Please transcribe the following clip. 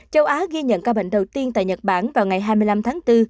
châu á ghi nhận ca bệnh đầu tiên tại nhật bản vào ngày hai mươi năm tháng bốn